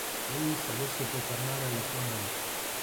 Louis adesso può tornare alla sua Marie.